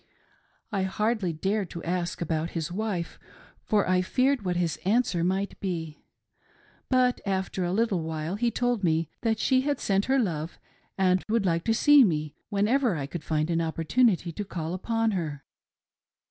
I hardly dared to ask about his wife, for I feared what his answer might be ; but after a little while he told me that she had sent her love and would like to see me whenever I could find an opportunity to call upon her.